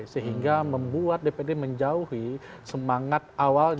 sehingga membuat dpd menjauhi semangat awalnya